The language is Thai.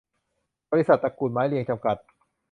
บริษัท ตระกูลไม้เรียง จำกัด